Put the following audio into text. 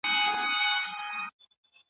زه د خپل ځان په مینځلو بوخت یم.